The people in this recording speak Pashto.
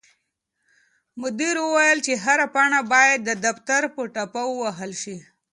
مدیر وویل چې هره پاڼه باید د دفتر په ټاپه ووهل شي.